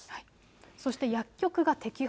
そして薬局が摘発。